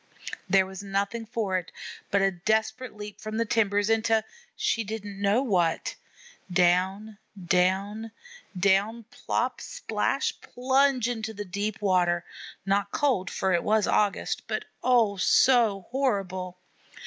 There was nothing for it but a desperate leap from the timbers into she didn't know what. Down, down, down plop, splash, plunge into the deep water, not cold, for it was August, but oh, so horrible!